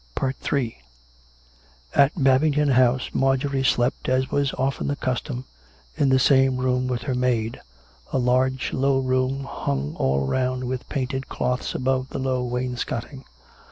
Ill At Babington House Marjorie slept, as was often the custom, in the same room with her maid — a large, low room, hung all round with painted cloths above the low wains coting.